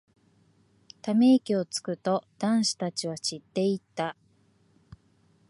ため息をつくと、男子たちは散っていった。